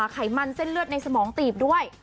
ไขมันเส้นเลือดในสมองตีบด้วย